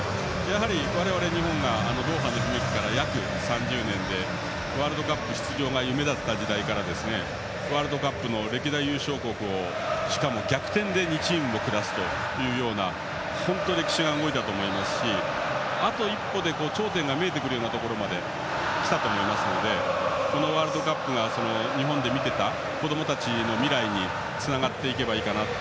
このドーハという地で言うとやはり我々、日本がドーハの悲劇から約３０年でワールドカップ出場が夢だった時代からワールドカップの歴代優勝国をしかも逆転で２チーム下すというような本当に歴史が動いたと思いますしあと一歩で頂点が見えてくるところまで来たと思いますのでこのワールドカップが日本で見ていた子どもたちの未来につながっていけばいいかなと。